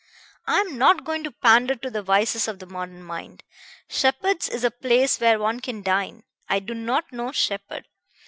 I am not going to pander to the vices of the modern mind. Sheppard's is a place where one can dine. I do not know Sheppard.